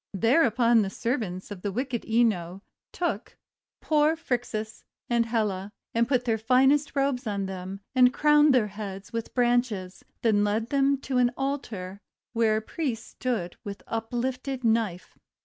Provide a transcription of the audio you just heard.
Thereupon the servants of the wicked Ino took 384 THE WONDER GARDEN poor Phrixus and Helle, and put their finest robes on them, and crowned their heads with branches, then led them to an altar where a priest stood with uplifted knife.